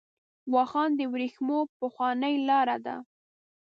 واخان د ورېښمو پخوانۍ لار ده .